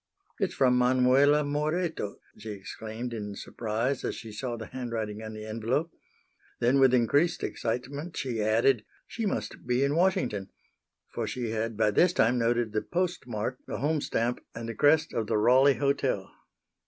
"It's from Manuela Moreto!" she exclaimed in surprise as she saw the handwriting on the envelope. Then, with increased excitement, she added "She must be in Washington," for she had by this time noted the postmark, the home stamp and the crest of the Raleigh Hotel.